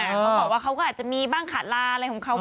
เขาบอกว่าเขาก็อาจจะมีบ้างขาดลาอะไรของเขา